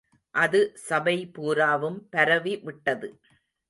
அது சபை பூராவும் பரவி விட்டது.